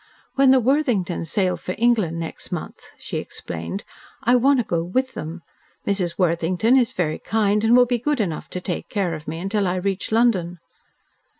"When the Worthingtons sail for England next month," she explained, "I want to go with them. Mrs. Worthington is very kind and will be good enough to take care of me until I reach London."